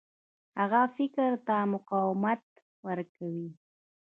هغه فکر ته مقاومت ورکوي.